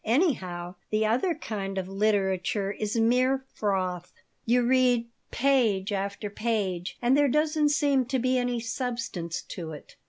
Anyhow, the other kind of literature is mere froth. You read page after page and there doesn't seem to be any substance to it."